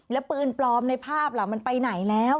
แล้วปืนปลอมในภาพล่ะมันไปไหนแล้ว